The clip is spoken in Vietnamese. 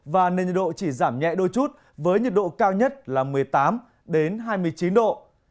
và nền nhiệt độ chỉ giảm nhẹ đôi chút với nhiệt độ cao nhất là một mươi tám hai mươi chín độ